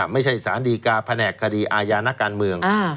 ไม่ใช่สารดีกาแผนกคดีอาญานักการเมือง